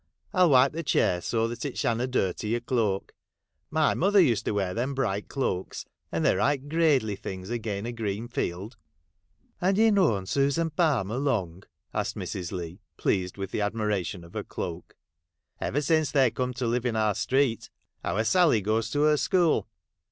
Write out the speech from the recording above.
I '11 wipe the chair, so that it shanna dirty your cloak. My mother used to wear them bright cloaks, and they 're right gradely things again a green field.' ' Han ye known Susan Palmer long 1 ' asked Mrs. Leigh, pleased with the admiration of her cloak. ' Ever since they corned to live in our street. Our Sally goes to her school.'